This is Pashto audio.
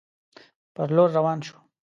پر لور روان شو.